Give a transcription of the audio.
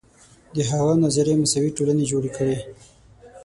د هغه نظریې مساوي ټولنې جوړې کړې.